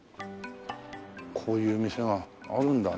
こういう店があるんだね。